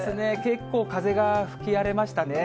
結構、風が吹き荒れましたね。